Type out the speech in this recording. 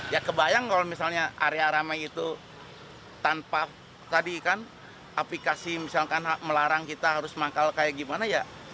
ya kebayang kalau misalnya area ramai itu tanpa tadi kan aplikasi misalkan melarang kita harus manggal kayak gimana ya